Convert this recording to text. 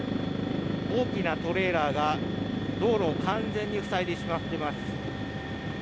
大きなトレーラーが道路を完全に塞いでしまっています。